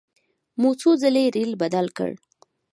مو څو ځلې ریل بدل کړ.